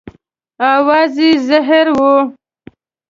اواز یې زهیر و.